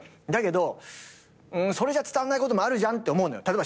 だけどそれじゃ伝わんないこともあるじゃんって思うのよ。